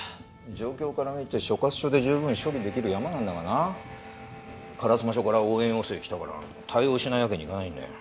状況から見て所轄署で十分処理できるヤマなんだがな烏丸署から応援要請が来たから対応しないわけにいかないんだよ。